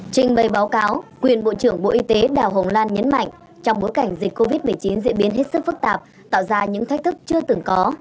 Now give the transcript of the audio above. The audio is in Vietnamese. trình bày báo cáo quyền bộ trưởng bộ y tế đào hồng lan nhấn mạnh trong bối cảnh dịch covid một mươi chín diễn biến hết sức phức tạp tạo ra những thách thức chưa từng có